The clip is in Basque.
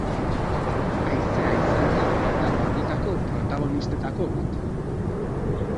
Haizea izan da etapa honetako protagonistetako bat.